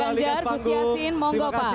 pak ganjar gus yassin mohon gopa